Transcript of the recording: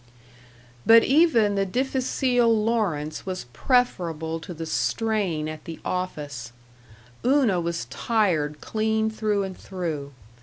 But even the difficile Lawrence was preferable to the strain at the office. Una was tired clean through and through.